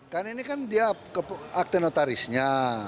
karena ini kan dia akte notarisnya